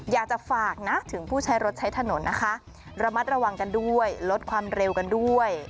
อยากจะฝากนะถึงผู้ใช้รถใช้ถนนนะคะระมัดระวังกันด้วยลดความเร็วกันด้วย